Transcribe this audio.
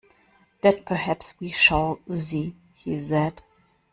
"That perhaps we shall see," he said.